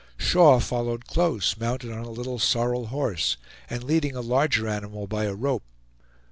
Shaw followed close, mounted on a little sorrel horse, and leading a larger animal by a rope.